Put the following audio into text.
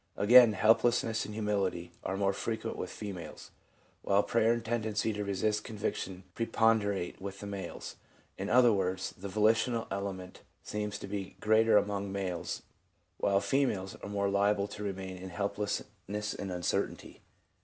Again, helplessness and humility are more frequent with females, while prayer and tendency to resist conviction preponderate with the males. In other words, the volitional element seems to be greater among males, while females are more liable to remain in helplessness and uncertainty.